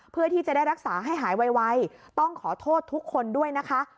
เพื่อที่จะได้รักษาให้หายไวต้องขอโทษทุกคนด้วยนะคะ